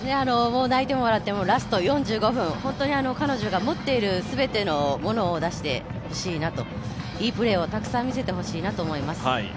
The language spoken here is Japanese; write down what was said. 泣いても笑ってもラスト４５分、本当に彼女が持っている全てのものを出してほしいなといいプレーをたくさん見せてほしいなと思います。